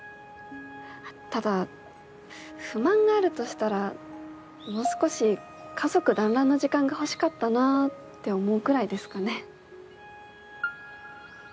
ただ不満があるとしたらもう少し家族だんらんの時間が欲しかったなぁって思うくらいですかね。